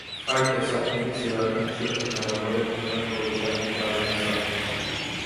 Այդ տեսակներից յուրաքանչյուրը հնարավոր է ունենան որոշակի տարատեսակներ։